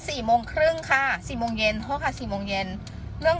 สี่โมงครึ่งค่ะสี่โมงเย็นโทษค่ะสี่โมงเย็นเรื่อง